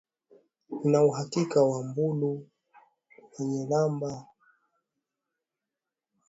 nina uhakika Wambulu Wanyilamba Waisanzu na Wanyaturu